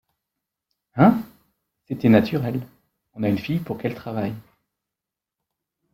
Hein? c’était naturel, on a une fille pour qu’elle travaille...